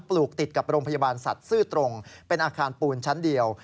ลูกติดกับโรงพยาบาลสัตว์ซื่อตรงเป็นอาคารปูนชั้นเดียว